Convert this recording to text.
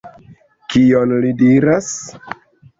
Kion li diras?